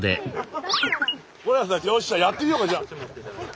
是永さんよっしゃやってみようかじゃあ。